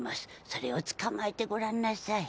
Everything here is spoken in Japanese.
それをつかまえてごらんなさい。